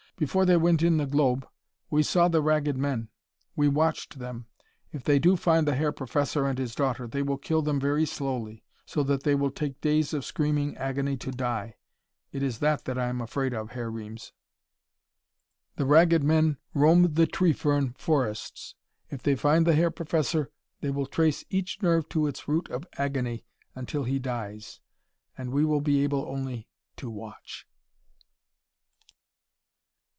"Before they went in the globe we saw the Ragged Men. We watched them. If they do find the Herr Professor and his daughter, they will kill them very slowly, so that they will take days of screaming agony to die. It is that that I am afraid of, Herr Reames. The Ragged Men roam the tree fern forests. If they find the Herr Professor they will trace each nerve to its root of agony until he dies. And we will be able only to watch...."